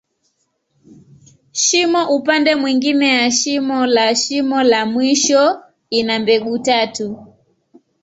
Shimo upande mwingine ya mwisho la shimo la mwisho, ina mbegu tatu.